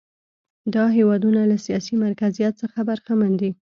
دا هېوادونه له سیاسي مرکزیت څخه برخمن دي.